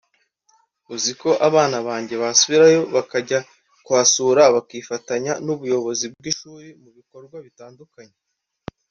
uziko abana banjye basubirayo bakajya kuhasura bakifatanya n’ubuyobozi bw’ishuri mu bikorwa bitandukanye